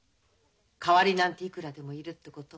代わりなんていくらでもいるってこと。